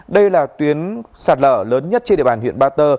đây là tuyến sạt lở lớn nhất trên địa bàn huyện ba tơ